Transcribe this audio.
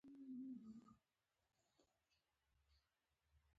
د رحمان بابا شعرونه ډير درانده دي.